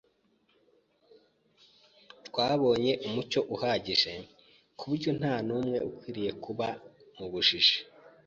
Twabonye umucyo uhagije, ku buryo nta n’umwe ukwiriye kuba mu bujiji,